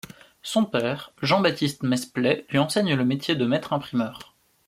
Son père, Jean-Baptiste Mesplet, lui enseigne le métier de maître-imprimeur.